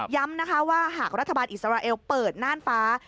นะคะว่าหากรัฐบาลอิสราเอลเปิดน่านฟ้า